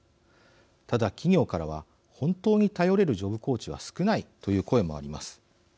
ただ企業からは本当に頼れるジョブコーチは少ないという声もあります。